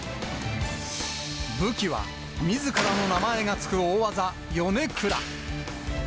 武器は、みずからの名前が付く大技、ヨネクラ。